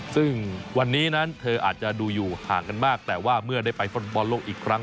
ซึ่งวันนี้นั้นเธออาจจะดูอยู่ห่างกันมากแต่ว่าเมื่อได้ไปฟุตบอลโลกอีกครั้ง